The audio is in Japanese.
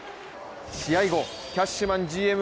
試合後、キャッシュマンＧＭ